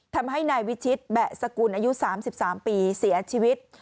ทำให้นายวิชิตแบะสกุลอายุ๓๓ปีเสียชีวิต